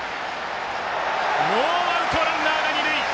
ノーアウトランナーが二塁。